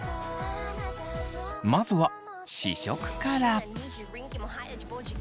まずは試食から。